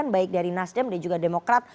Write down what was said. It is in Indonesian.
baik dari nasdem dan juga demokrat